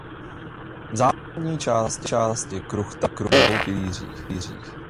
V západní části lodi je kruchta na dvou pilířích.